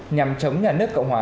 nhằm chống nhà nước cộng hòa